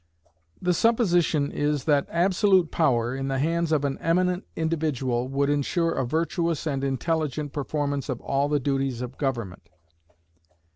The supposition is, that absolute power, in the hands of an eminent individual, would insure a virtuous and intelligent performance of all the duties of government.